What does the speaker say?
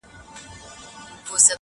ميسج.